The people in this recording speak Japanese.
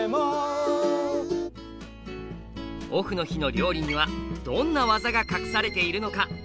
オフの日の料理にはどんな「技」が隠されているのか？